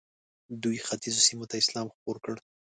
دوی ختیځو سیمو ته اسلام خپور کړ.